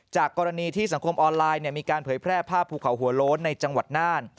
จากกรณีที่สังคมออนไลน์มีการเผยแพร่ภาพภูเขาหัวโล้นในจังหวัดน่าน